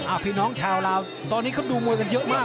พี่น้องชาวลาวตอนนี้เขาดูมวยกันเยอะมาก